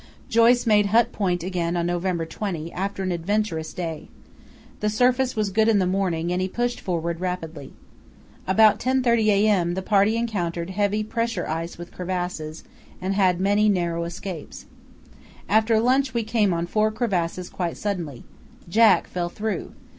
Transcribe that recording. Joyce made Hut Point again on November 20 after an adventurous day. The surface was good in the morning and he pushed forward rapidly. About 10.30 a.m. the party encountered heavy pressure ice with crevasses, and had many narrow escapes. "After lunch we came on four crevasses quite suddenly. Jack fell through.